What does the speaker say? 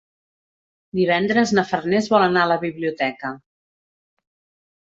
Divendres na Farners vol anar a la biblioteca.